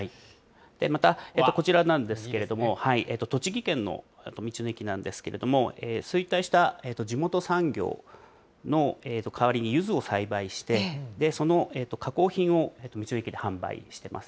またこちらなんですけれども、栃木県の道の駅なんですけれども、衰退した地元産業の代わりにゆずを栽培して、その加工品を道の駅で販売してます。